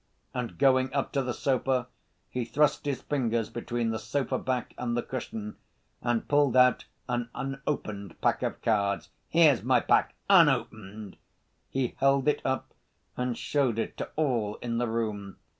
And going up to the sofa he thrust his fingers between the sofa back and the cushion, and pulled out an unopened pack of cards. "Here's my pack unopened!" He held it up and showed it to all in the room.